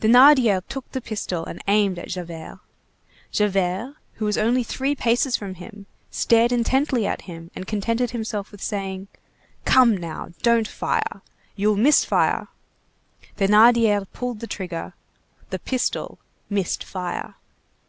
Thénardier took the pistol and aimed at Javert. Javert, who was only three paces from him, stared intently at him and contented himself with saying:— "Come now, don't fire. You'll miss fire." Thénardier pulled the trigger. The pistol missed fire.